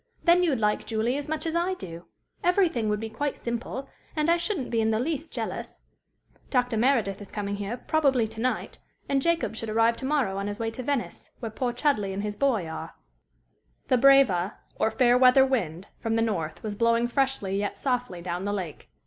Then you'd like Julie as much as I do; everything would be quite simple; and I shouldn't be in the least jealous. "Dr. Meredith is coming here, probably to night, and Jacob should arrive to morrow on his way to Venice, where poor Chudleigh and his boy are." The breva, or fair weather wind, from the north was blowing freshly yet softly down the lake.